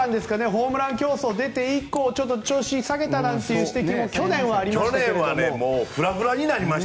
ホームラン競争に出て以降調子を下げたなんて指摘も去年はありましたけど。